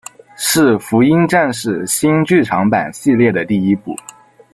是福音战士新剧场版系列的第一部。